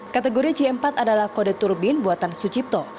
kategori c empat adalah kode turbin buatan sucipto